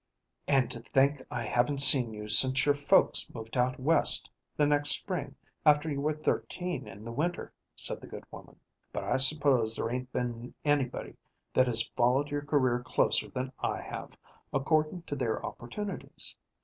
"And to think I haven't seen you since your folks moved out West, the next spring after you were thirteen in the winter," said the good woman. "But I s'pose there ain't been anybody that has followed your career closer than I have, accordin' to their opportunities.